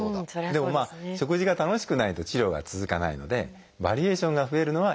でも食事が楽しくないと治療が続かないのでバリエーションが増えるのはいいことですね。